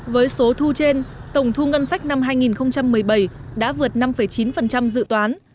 với số thu trên tổng thu ngân sách năm hai nghìn một mươi bảy đã vượt năm chín dự toán